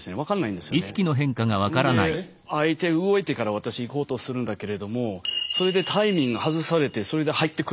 で相手動いてから私行こうとするんだけれどもそれでタイミング外されてそれで入ってくる。